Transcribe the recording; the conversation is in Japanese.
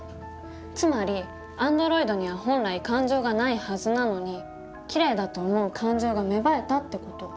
つまりアンドロイドには本来感情がないはずなのにキレイだと思う感情が芽生えたって事。